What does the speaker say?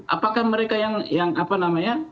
apakah mereka yang apa namanya